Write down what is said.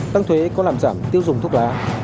tăng thuế có làm giảm tiêu dùng thuốc lá